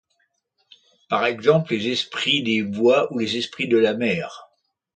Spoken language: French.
Par exemple, les esprits des bois ou les esprits de la mer.